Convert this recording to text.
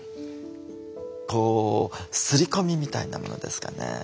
こう擦り込みみたいなものですかね。